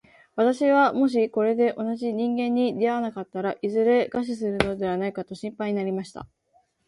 私はもしこれで同じ人間に出会わなかったら、いずれ餓死するのではないかと心配になりました。